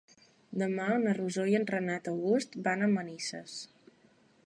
Demà na Rosó i en Renat August van a Manises.